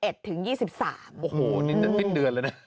โอ้โหนี่จัดสิ้นเดือนเลยเนี่ย